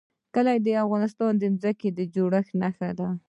کلي د افغانستان د ځمکې د جوړښت نښه ده.